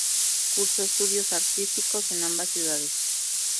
Cursó estudios artísticos en ambas ciudades.